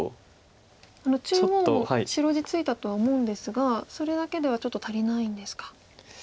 中央も白地ついたとは思うんですがそれだけではちょっと足りないんですか。